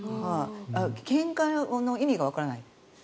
けんかの意味がわからない。